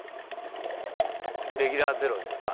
レギュラー０ですか？